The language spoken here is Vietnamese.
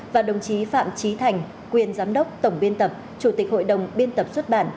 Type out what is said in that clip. và đồng chí phạm trí thành quyền giám đốc tổng biên tập chủ tịch hội đồng biên tập xuất bản